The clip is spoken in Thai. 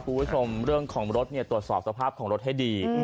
คุณผู้ชมเรื่องของรถตรวจสอบสภาพของรถให้ดี